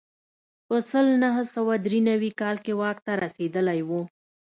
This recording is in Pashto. په سل نه سوه درې نوي کال کې واک ته رسېدلی و.